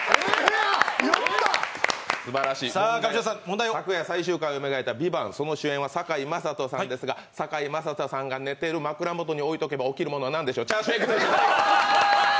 すばらしい、昨夜最終回を迎えた「ＶＩＶＡＮＴ」ですがその主演は堺雅人さんですが堺雅人さんが寝ている枕元に置いておけば起きるものは何でしょう、チャーシュー、正解！